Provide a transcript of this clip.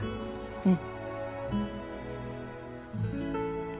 うん。